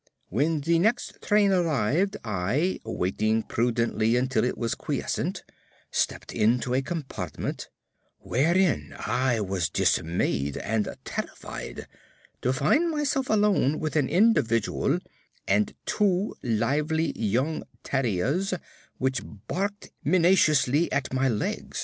When the next train arrived, I, waiting prudently until it was quiescent, stepped into a compartment, wherein I was dismayed and terrified to find myself alone with an individual and two lively young terriers, which barked minaciously at my legs.